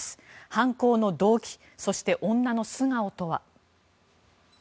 犯行の動機そして女の素顔とは。